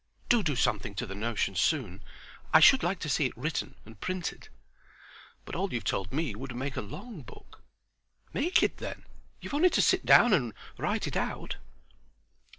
Do do something to the notion soon; I should like to see it written and printed." "But all you've told me would make a long book." "Make it then. You've only to sit down and write it out."